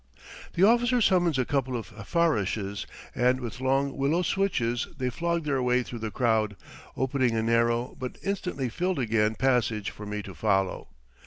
The officer summons a couple of farrashes, and with long willow switches they flog their way through the crowd, opening a narrow, but instantly filled again, passage for me to follow.